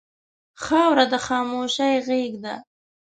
خاوره د خاموشۍ غېږه ده.